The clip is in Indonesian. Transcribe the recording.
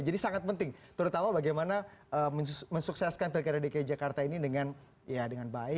jadi sangat penting terutama bagaimana mensukseskan pilkada dki jakarta ini dengan baik kemudian prosesnya berjalan dengan baik